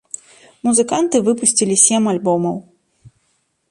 Музыканты выпусцілі сем альбомаў.